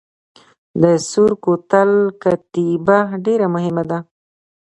د سور کوتل کتیبه ډیره مهمه ده